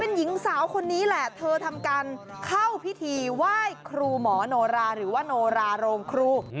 หญิงสาวคนนี้แหละเธอทำการเข้าพิธีไหว้ครูหมอโนราหรือว่าโนราโรงครู